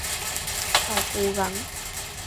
phải cố gắng